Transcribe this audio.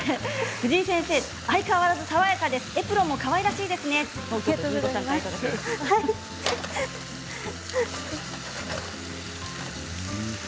藤井先生、相変わらず爽やかですエプロンもかわいらしいですねといただきました。